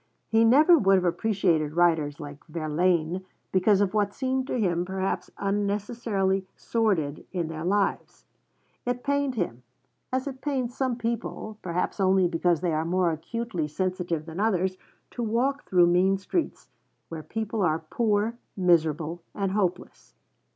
He never would have appreciated writers like Verlaine, because of what seemed to him perhaps unnecessarily 'sordid' in their lives. It pained him, as it pains some people, perhaps only because they are more acutely sensitive than others, to walk through mean streets, where people are poor, miserable, and hopeless.